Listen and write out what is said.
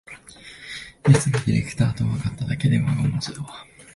やつがディレクターとわかっただけでワゴン待ちだわ